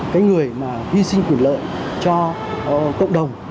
cái người mà hy sinh quyền lợi cho cộng đồng